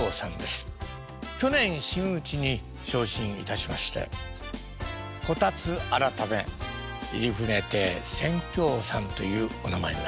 去年真打ちに昇進いたしまして小辰改め入船亭扇橋さんというお名前になりました。